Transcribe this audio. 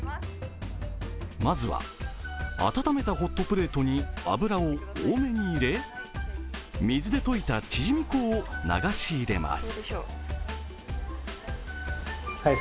まずは温めたホットプレートに油を多めに入れ水で溶いたチジミ粉を流し入れます。